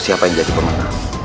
siapa yang jadi pemenang